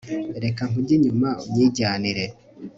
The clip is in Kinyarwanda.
reka nkujye inyuma unyijyanire